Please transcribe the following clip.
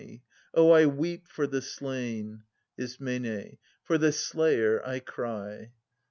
Oh, I weep for the slain !— I. For the slayer I cry